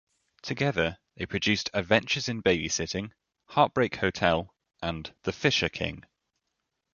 Together, they produced "Adventures in Babysitting", "Heartbreak Hotel", and "The Fisher King".